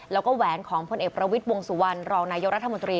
แล้วก็แหวนของพลเอกประวิทย์วงสุวรรณรองนายกรัฐมนตรี